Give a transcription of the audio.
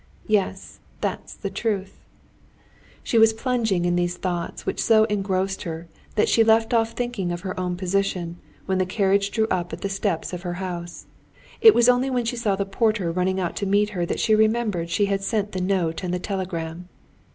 Yes, that's the truth!" She was plunged in these thoughts, which so engrossed her that she left off thinking of her own position, when the carriage drew up at the steps of her house. It was only when she saw the porter running out to meet her that she remembered she had sent the note and the telegram.